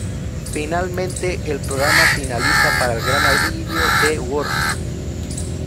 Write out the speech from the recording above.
Finalmente el programa finaliza, para el gran alivio de Worf.